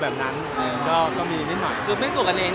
หมายถึงว่าความดังของผมแล้วทำให้เพื่อนมีผลกระทบอย่างนี้หรอค่ะ